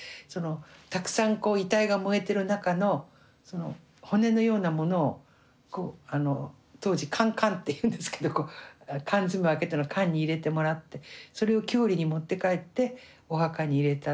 たくさん遺体が燃えてる中の骨のようなものを当時カンカンっていうんですけど缶詰あけたの缶に入れてもらってそれを郷里に持って帰ってお墓に入れた。